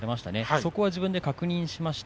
そこは自分で確認しました。